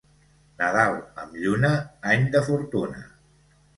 Nadal amb lluna, any de fortuna.